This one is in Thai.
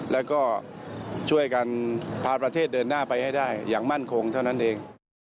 แล้วก็ช่วยกันพาประเทศเดินหน้าไปให้ได้อย่างมั่นคงเท่านั้นเอง